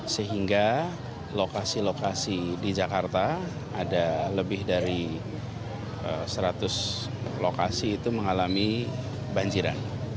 sehingga lokasi lokasi di jakarta ada lebih dari seratus lokasi itu mengalami banjiran